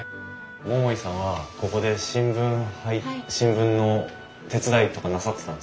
桃井さんはここで新聞の手伝いとかなさってたんですか？